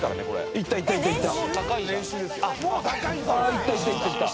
いったいったいったいった。